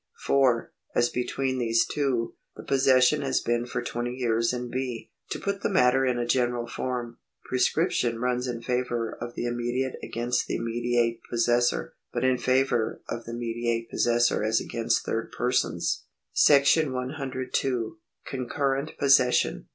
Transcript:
for, as between these two, the possession has been for twenty years in B. To put the matter in a general form, prescription runs in favour of the immediate against the mediate possessor, but in favour of the mediate possessor as against third persons. § 102. Concurrent Possession.